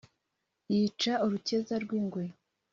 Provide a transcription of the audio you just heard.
yica urukeza rw'ingwe